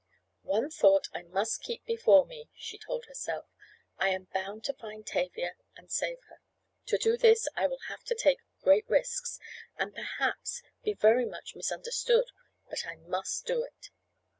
"One thought I must keep before me," she told herself. "I am bound to find Tavia and save her. To do this I will have to take great risks, and perhaps be very much misunderstood, but I must do it.